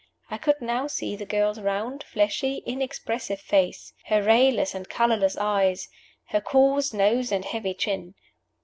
I could now see the girl's round, fleshy, inexpressive face, her rayless and colorless eyes, her coarse nose and heavy chin.